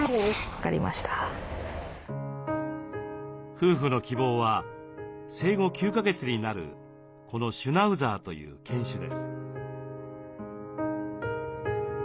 夫婦の希望は生後９か月になるこのシュナウザーという犬種です。